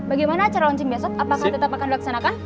bagaimana acara launching besok apakah tetap akan dilaksanakan